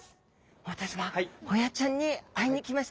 大谷さまホヤちゃんに会いに来ました。